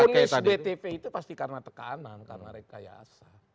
kalau ponis btp itu pasti karena tekanan karena rekayasa